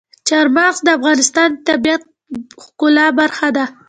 چار مغز د افغانستان د طبیعت د ښکلا برخه ده.